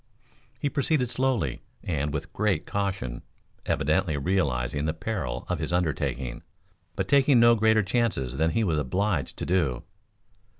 He proceeded slowly and with great caution, evidently realizing the peril of his undertaking, but taking no greater chances than he was obliged to do.